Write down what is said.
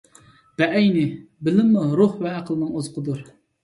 بەئەينى، بىلىممۇ روھ ۋە ئەقىلنىڭ ئوزۇقىدۇر.